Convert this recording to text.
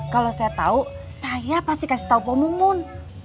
kalau saya tahu saya pasti kasih tahu poh mumun